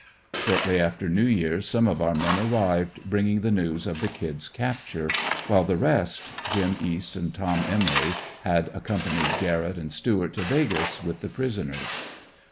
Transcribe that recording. Shortly after New Years some of our men arrived, bringing the news of the "Kid's" capture, while the rest, Jim East and Tom Emory had accompanied Garrett and Stuart to "Vegas" with the prisoners.